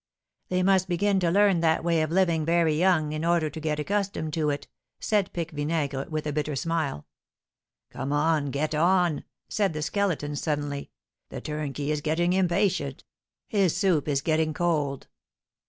"They must begin to learn that way of living very young in order to get accustomed to it," said Pique Vinaigre, with a bitter smile. "Come, get on!" said the Skeleton, suddenly; "the turnkey is getting impatient his soup is getting cold."